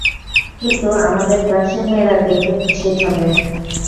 কিন্তু, আমাদের ক্লাসের মেয়েরা দেখতে কুৎসিত হবে।